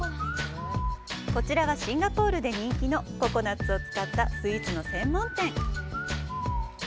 こちらはシンガポールで人気のココナッツを使ったスイーツの専門店。